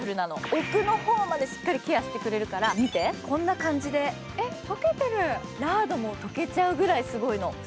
奥の方までしっかりケアしてくれるから見て、こんな感じで、ラードも溶けちゃうくらいすごいの。